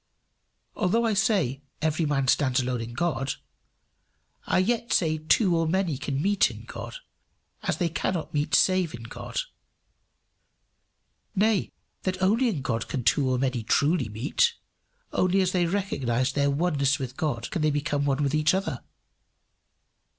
Although I say, every man stands alone in God, I yet say two or many can meet in God as they cannot meet save in God; nay, that only in God can two or many truly meet; only as they recognize their oneness with God can they become one with each other.